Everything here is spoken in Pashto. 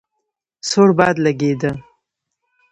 سوړ باد لګېده.